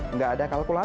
nggak ada kalkulasi